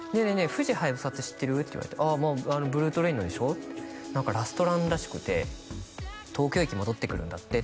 富士・はやぶさって知ってる？」って言われて「ああまあブルートレインのでしょ？」って「何かラストランらしくて東京駅戻ってくるんだって」